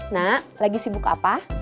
nak lagi sibuk apa